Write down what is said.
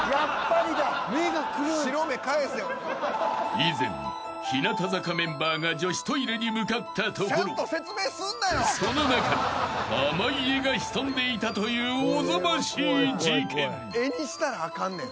［以前日向坂メンバーが女子トイレに向かったところその中に濱家が潜んでいたというおぞましい事件］